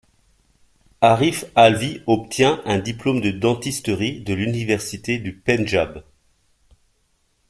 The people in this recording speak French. Arif Alvi obtient un diplôme de dentisterie de l'Université du Pendjab.